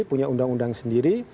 punya undang undang sendiri